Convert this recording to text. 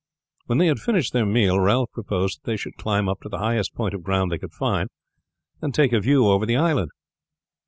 When they had finished their meal Ralph proposed that they should climb up to the highest point of ground they could find, and take a view over the island.